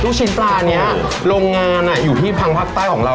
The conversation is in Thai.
ลูกชิ้นปลานี้โรงงานอยู่ที่พังภาคใต้ของเรา